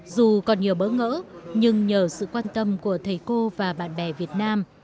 dù còn nhiều bỡ ngỡ nhưng nhờ sự quan tâm của thầy cô và bạn bè việt nam